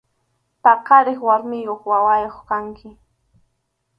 Paqariq warmiyuq wawayuq kanki.